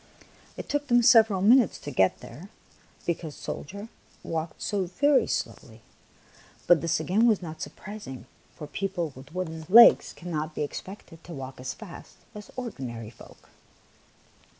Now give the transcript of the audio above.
It took them sev eral minutes to get there, because the sol dier walked so very slowly ; but this, again, was not surprising, for people with wooden 134 THE PALACE ON THE FLOOR legs cannot be expected to walk as fast as ordinary folk.